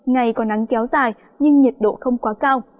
ngày còn nắng kéo dài nhưng nhiệt độ không quá cao